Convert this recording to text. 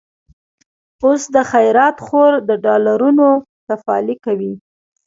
اوس دا خيرات خور، د ډالرونو تفالې کوي